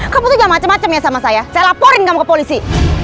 kamu tuh gak macem macem ya sama saya saya laporin kamu ke polisi